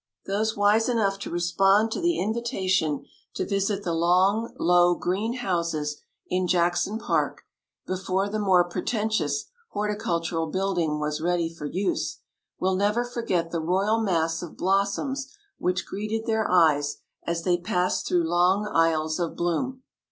Those wise enough to respond to the invitation to visit the long, low green houses in Jackson Park, before the more pretentious Horticultural Building was ready for use, will never forget the royal mass of blossoms which greeted their eyes as they passed through long aisles of bloom.